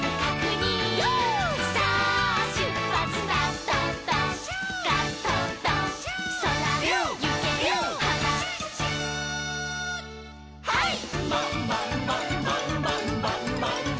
「はい！」「ンバンバンバンバ」「ンバンバンバンバ」